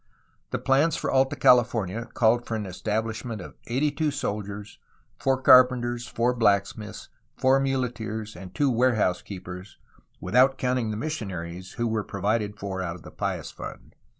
The plans for Alta California called for an estabUshment of eighty two soldiers, four carpenters, four blacksmiths, four muleteers, and two warehouse keepers, 290 A HISTORY OF CALIFORNIA without counting the missionaries (who were provided for out of the Pious Fund).